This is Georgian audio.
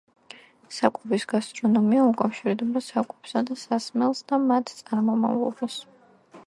საკვების გასტრონომია უკავშირდება საკვებსა და სასმელს და მათ წარმომავლობას.